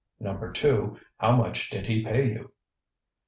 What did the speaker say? Number two: How much did he pay you?